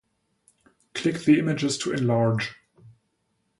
Click the images to enlarge.